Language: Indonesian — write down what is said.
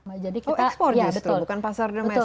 oh ekspor justru bukan pasar domestik